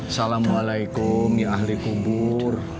assalamualaikum ya ahli kubur